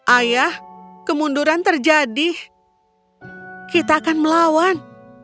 ayah kemunduran terjadi kita akan melawan